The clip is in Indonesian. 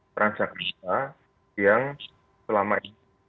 transakripa yang selama ini